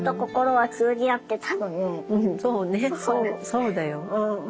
そうだよ。